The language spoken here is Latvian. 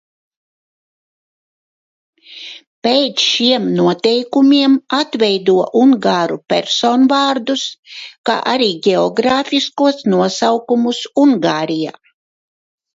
Pēc šiem noteikumiem atveido ungāru personvārdus, kā arī ģeogrāfiskos nosaukumus Ungārijā.